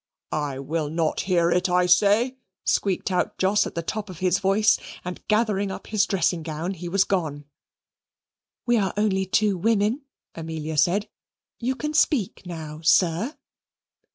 "I will not hear it, I say," squeaked out Jos at the top of his voice, and, gathering up his dressing gown, he was gone. "We are only two women," Amelia said. "You can speak now, sir."